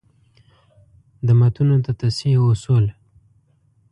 د متونو د تصحیح اصول: